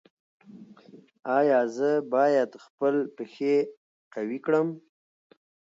ایا زه باید خپل پښې قوي کړم؟